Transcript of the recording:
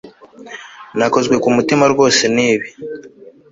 Nakozwe ku mutima rwose nibi